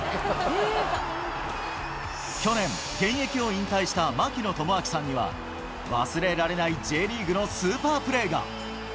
去年、現役を引退した槙野智章さんには、忘れられないＪリーグのスーパープレーが。